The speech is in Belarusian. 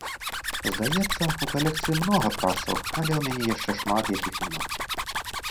Здаецца, у калекцыі многа прасаў, але ў мяне яшчэ шмат якіх няма.